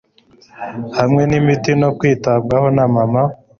hamwe n'imiti no kwitabwaho na mama